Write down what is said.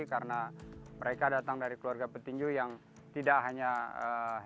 karena mereka datang dari keluarga petinju yang tidak hanya dari dunia tinju profesional